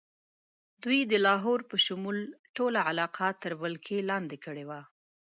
دوی د لاهور په شمول ټوله علاقه تر ولکې لاندې کړې وه.